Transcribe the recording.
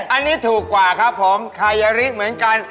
อันนี้ถูกกว่าครับผมคายะริเหมือนกัน